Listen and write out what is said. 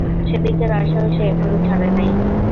সেদিকের আশাও সে এখনও ছাড়ে নাই।